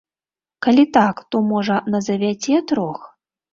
Калі так, то, можа, назавяце трох.